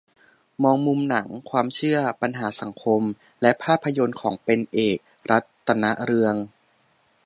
มองมุมหนัง ความเชื่อ ปัญหาสังคม และภาพยนตร์ของ "เป็นเอก รัตนเรือง"